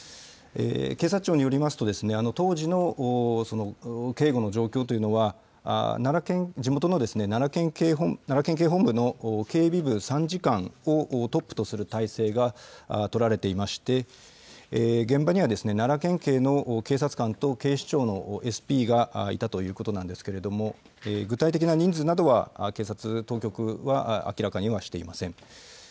警察庁によりますと、当時の警護の状況というのは、地元の奈良県警本部の警備部参事官をトップとする体制が取られていまして、現場には、奈良県警の警察官と警視庁のＳＰがいたということなんですけれども、具体的な人数などは警察当局は明らかにはしていません。